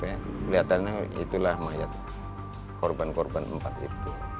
kelihatannya itulah mayat korban korban empat itu